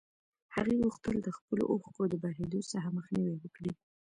هغې غوښتل د خپلو اوښکو د بهېدو څخه مخنيوی وکړي.